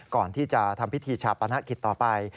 ก่อนที่จะทำพิธีชาปนกิจต่อไป